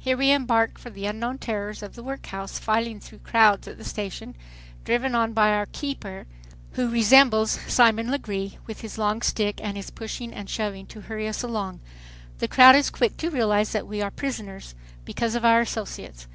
Here we embark for the unknown terrors of the workhouse, filing through crowds at the station, driven on by our "keeper," who resembles Simon Legree, with his long stick and his pushing and shoving to hurry us along. The crowd is quick to realize that we are prisoners, because of our associates.